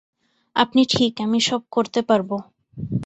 আপনি ঠিক, আমি সব করতে পারবো।